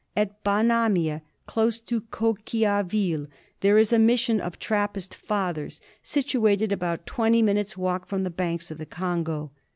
At Banamia, close to Coquilhaville, there is a mission of Trappist Fathers situated about twenty minutes' walk from the banks of the Congo.